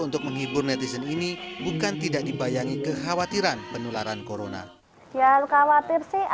untuk menghibur netizen ini bukan tidak dibayangi kekhawatiran penularan corona ya khawatir sih